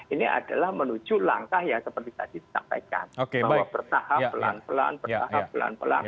ini adalah menuju langkah yang seperti tadi disampaikan bahwa bertahap pelan pelan bertahap pelan pelan